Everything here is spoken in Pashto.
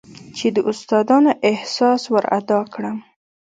چې د استاد احسان ورادا كړم.